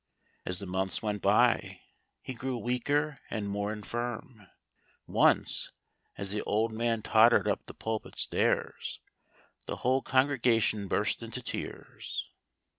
As the months went by, he grew weaker and more infirm. Once, as the old man tottered up the pulpit stairs, the whole congregation burst into tears.